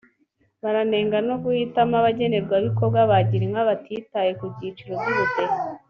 baranenga no guhitamo abagenerwabikorwa ba girinka batitaye ku byiciro by’ubudehe